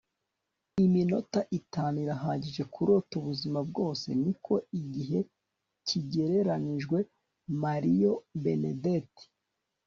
iminota itanu irahagije kurota ubuzima bwose, niko igihe kigereranijwe. - mario benedetti